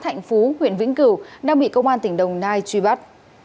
thạnh phú huyện vĩnh cửu đang bị công an tỉnh đồng nai truy bắt